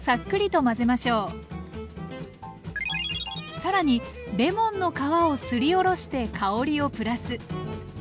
さらにレモンの皮をすりおろして香りをプラス。